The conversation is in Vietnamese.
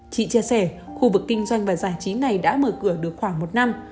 chị chia sẻ khu vực kinh doanh và giải trí này đã mở cửa được khoảng một năm